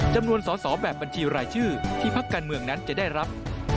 จำนวนสอสอแบบบัญชีรายชื่อที่พักการเมืองนั้นจะได้รับ